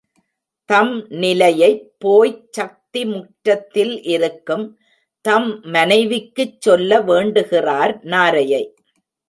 தம் நிலையைப் போய்ச் சக்திமுற்றத்தில் இருக்கும் தம் மனைவிக்குச் சொல்ல வேண்டுகிறார் நாரையை.